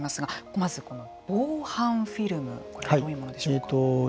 まず、防犯フィルムこれはどういうものでしょうか。